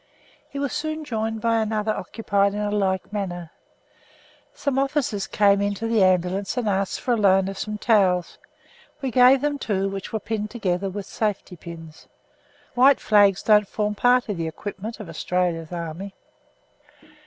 He was soon joined by another occupied in a like manner. Some officers came into the Ambulance and asked for the loan of some towels; we gave them two, which were pinned together with safety pins. White flags don't form part of the equipment of Australia's army.